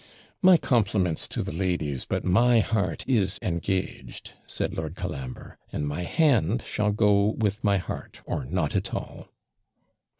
'My compliments to the ladies, but my heart is engaged,' said Lord Colambre; 'and my hand shall go with my heart, or not at all.'